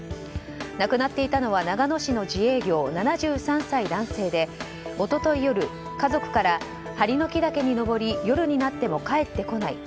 亡くなっていたのは長野市の自営業、７３歳男性で一昨日夜、家族から針ノ木岳に登り夜になっても帰ってこない。